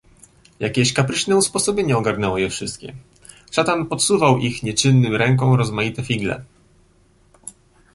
"Jakieś kapryśne usposobienie ogarnęło je wszystkie; szatan podsuwał ich nieczynnym rękom rozmaite figle."